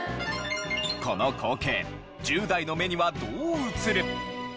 この光景１０代の目にはどう映る？